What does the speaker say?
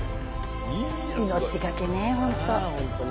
命がけね本当。